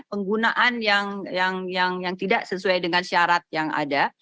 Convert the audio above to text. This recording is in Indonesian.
penggunaan yang tidak sesuai dengan syarat yang ada